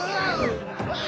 あ！